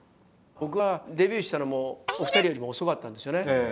僕はデビューしたのもお二人よりも遅かったんですよね。